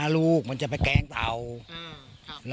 ไม่ทันกินเลยใช่ไหม